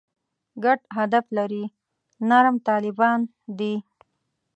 ګډ هدف لري «نرم طالبان» دي.